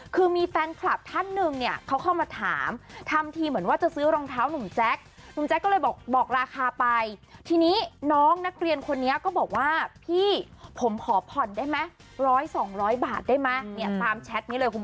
คือมีแฟนคลับท่านหนึ่งเขาเข้ามาถามทำทีเหมือนว่าจะซื้อรองเท้านุ่มแจ็ค